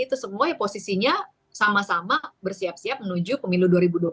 itu semua yang posisinya sama sama bersiap siap menuju pemilu dua ribu dua puluh